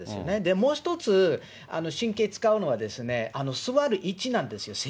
もう１つ、神経使うのは、座る位置なんですよ、席。